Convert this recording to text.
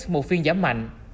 một phiên giảm mạnh